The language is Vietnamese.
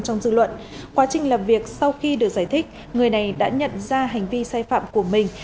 trong dư luận quá trình làm việc sau khi được giải thích người này đã nhận ra hành vi sai phạm của mình